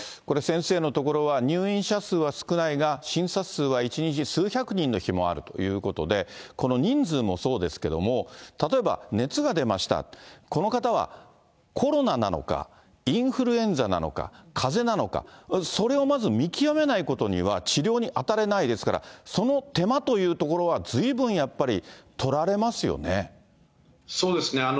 これ、先生の所は入院者数は少ないが、診察数は１日数百人の日もあるということで、この人数もそうですけども、例えば熱が出ました、この方はコロナなのか、インフルエンザなのか、かぜなのか、まずそれをまず見極めないことには、治療に当たれないですから、その手間というところは、そうですね。